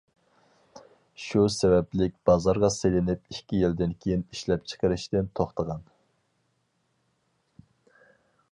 شۇ سەۋەبلىك بازارغا سېلىنىپ ئىككى يىلدىن كېيىن ئىشلەپچىقىرىشتىن توختىغان.